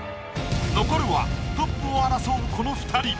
残るはトップを争うこの二人。